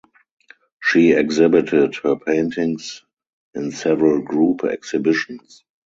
She exhibited her paintings in several group exhibitions.